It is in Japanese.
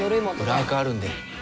裏アカあるんで。